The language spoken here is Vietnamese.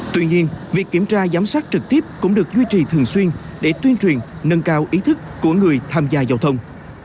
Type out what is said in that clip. tuy nhiên việc kiểm tra giám sát trực tiếp cũng được duy trì thường xuyên để tuyên truyền nâng cao ý thức của người tham gia giao thông